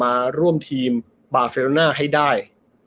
มาร่วมทีมบาเซโรน่าให้ได้